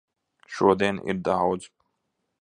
Šodien ir daudz.